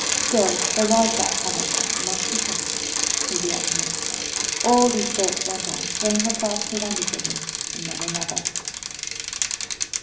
Still, there was that promise, and it must be kept to the utmost. All these thoughts went on, swaying her first to one decision and then another.